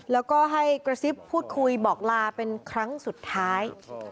แล้วก็ให้กระซิบพูดคุยบอกลาเป็นครั้งสุดท้าย